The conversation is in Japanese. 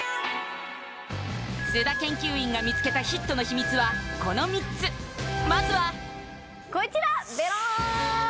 須田研究員が見つけたヒットの秘密はこの３つまずはこちらベローン